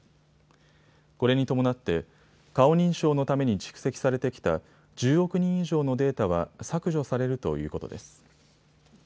これに伴って顔認証のために蓄積されてきた１０億人以上のデータは削除されるということです。